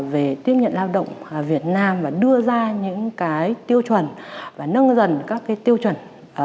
về tiếp nhận lao động việt nam và đưa ra những tiêu chuẩn và nâng dần các tiêu chuẩn